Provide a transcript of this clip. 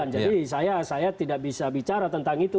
jadi saya tidak bisa bicara tentang itu